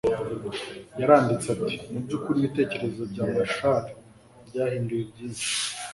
yaranditse ati Mu by'ukuri ibitekerezo bya Marshall byahinduye byinshi